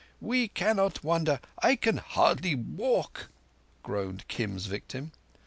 "We cannot wander! I can hardly walk," groaned Kim's victim.